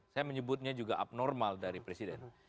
saya menyebutnya juga abnormal dari presiden